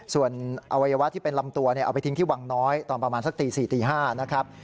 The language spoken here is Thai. ส่วนอวัยวะที่เป็นลำตัวเอาไปทิ้งที่วังน้อยตอนประมาณสักตี๔ตี๕นะครับ